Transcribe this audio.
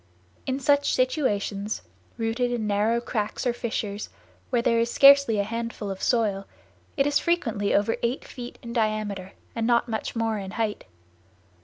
In such situations, rooted in narrow cracks or fissures, where there is scarcely a handful of soil, it is frequently over eight feet in diameter and not much more in height.